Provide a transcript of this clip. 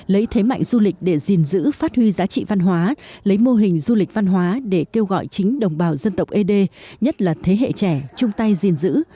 lấy thế mạnh du lịch để gìn giữ phát huy giá trị văn hóa lấy mô hình du lịch văn hóa để kêu gọi chính đồng bào dân tộc ế đê nhất là thế hệ trẻ chung tay gìn giữ